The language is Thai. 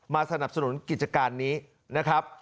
สนับสนุนกิจการนี้นะครับ